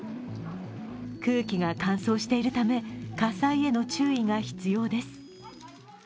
空気が乾燥しているため火災への注意が必要です。